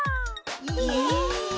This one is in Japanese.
イエイ。